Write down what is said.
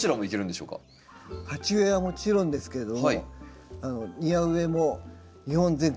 鉢植えはもちろんですけれども庭植えも日本全国